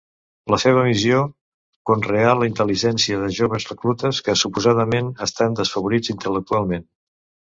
La seva missió: conrear la intel·ligència de joves reclutes que suposadament estan desfavorits intel·lectualment.